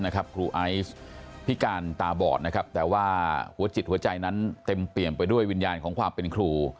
ครูไอซ์พิการตาบอดนะครับแต่ว่าหัวจิตหัวใจนั้นเต็มเปี่ยมไปด้วยวิญญาณของความเป็นครู